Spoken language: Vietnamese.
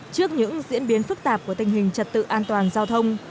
trước những diễn biến phức tạp của tình hình trật tự an toàn giao thông